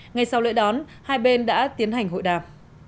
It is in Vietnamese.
ngay sau lễ đón hai bên đã tiến hành hội đàm